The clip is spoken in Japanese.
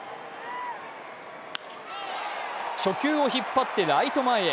初球を引っ張ってライト前へ。